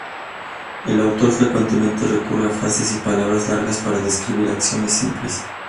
El autor frecuentemente recurre a frases y palabras largas para describir acciones simples.